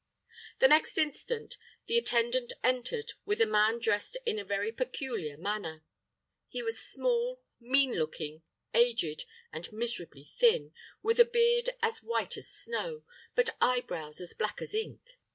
The next instant, the attendant entered with a man dressed in a very peculiar manner. He was small, mean looking, aged, and miserably thin, with a beard as white as snow, but eyebrows as black as ink.